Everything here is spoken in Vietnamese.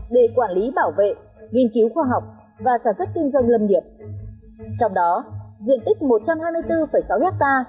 để quản lý bảo vệ nghiên cứu khoa học và sản xuất kinh doanh lâm nghiệp trong đó diện tích một trăm hai mươi bốn sáu ha